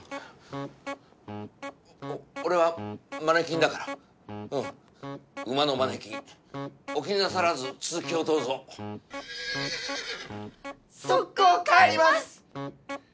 俺はマネキンだからうん馬のマネキンお気になさらず続きをどうぞ即行帰ります！